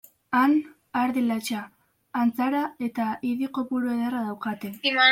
Han, ardi latxa, antzara eta idi kopuru ederra daukate.